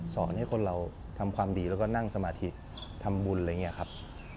สอนให้คนเราทำความดีแล้วก็นั่งสมาธิทำบุญอะไรอย่างนี้ครับ